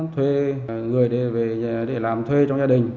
thuê người để làm thuê trong gia đình